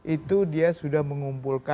itu dia sudah mengumpulkan